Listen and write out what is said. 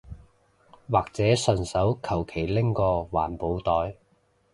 或者順手求其拎個環保袋